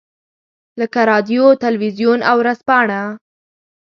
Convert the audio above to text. لکه رادیو، تلویزیون او ورځپاڼه.